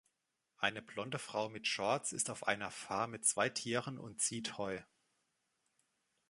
Eine blonde Frau mit Shorts ist auf einer Farm mit zwei Tieren und zieht Heu.